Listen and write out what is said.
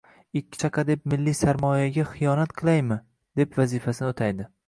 «Ikki chaqa deb milliy sarmoyaga xiyonat qilaymi?!»—deb vazifasini o'taydi